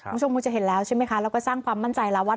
คุณผู้ชมคงจะเห็นแล้วใช่ไหมคะแล้วก็สร้างความมั่นใจแล้วว่า